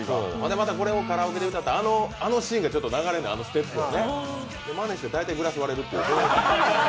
またこれをカラオケで歌った、あのシーンが流れるのよ、まねして大体グラス割れるっていう。